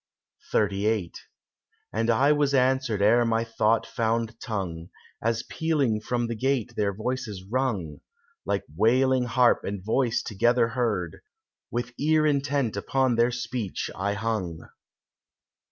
XXXVIII And I was answered ere my thought found tongue, As pealing from the gate their voices rung, Like wailing harp and voice together heard; With ear intent upon their speech I hung.